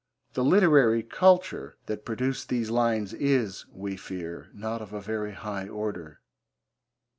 The 'literary culture' that produced these lines is, we fear, not of a very high order.